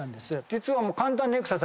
実は。